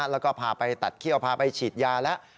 แล้วก็พาไปตัดเขี้ยวพาไปฉีดยาแล้ว